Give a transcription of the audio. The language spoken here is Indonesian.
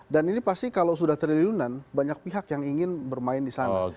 dan ini pasti kalau sudah triliunan banyak pihak yang ingin bermain di sana